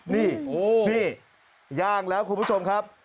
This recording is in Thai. นี่นี่ย่างแล้วคุณผู้ชมครับ